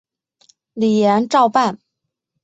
李俨照办。